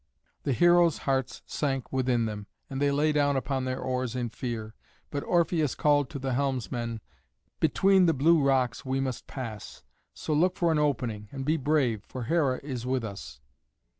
The heroes' hearts sank within them, and they lay upon their oars in fear, but Orpheus called to the helmsman, "Between the blue rocks we must pass, so look for an opening, and be brave, for Hera is with us."